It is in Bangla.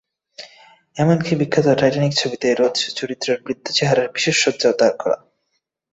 এমনকি বিখ্যাত টাইটানিক ছবিতে রোজ চরিত্রটির বৃদ্ধ চেহারার বিশেষ সজ্জাও তাঁর করা।